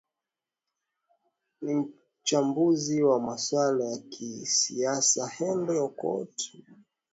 ni mchambuzi wa maswala ya kisiasa henry okoit omutata